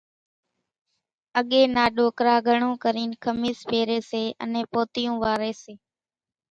اڳيَ نا ڏوڪرا گھڻون ڪرينَ کميس پيريَ سي انين پوتيون واريَ سي۔